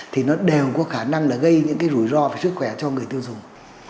thì nó đều có khả năng gây những rủi ro về sức khỏe cho người tiêu dùng